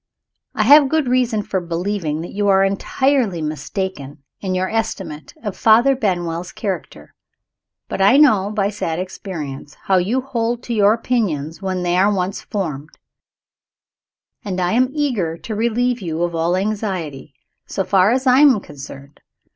I have good reason for believing that you are entirely mistaken in your estimate of Father Benwell's character. But I know, by sad experience, how you hold to your opinions when they are once formed; and I am eager to relieve you of all anxiety, so far as I am concerned.